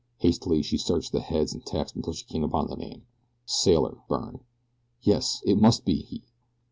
Hastily she searched the heads and text until she came upon the name "'Sailor' Byrne!" Yes! It must be he.